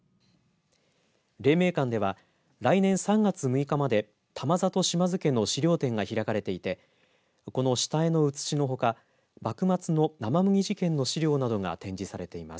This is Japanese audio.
黎明館では来年３月６日まで玉里島津家の資料展が開かれていてこの下絵の写しのほか幕末の生麦事件の資料などが展示されています。